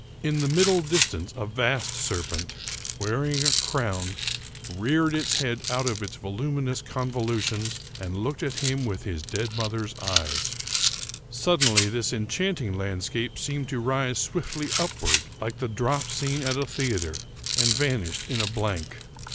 In the middle distance a vast serpent, wear ing a crown, reared its head out of its voluminous convo lutions and looked at him with his dead mother's eyes. io8 Ambrose Bierce Suddenly this enchanting landscape seemed to rise swiftly upward, like the drop scene at a theater, and vanished in a blank.